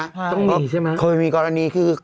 ต้องหนีใช่ไหมเค้ามามีกรณีคือ